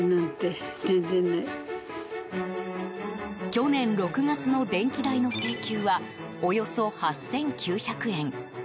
去年６月の電気代の請求はおよそ８９００円。